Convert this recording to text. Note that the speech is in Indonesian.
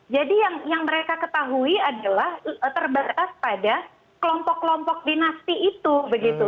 jadi yang mereka ketahui adalah terbatas pada kelompok kelompok dinasti itu begitu